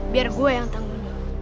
biar gue yang tangguh